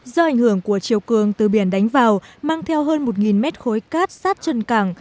do ảnh hưởng của chiều cường từ biển đánh vào mang theo hơn một mét khối cát sát chân cảng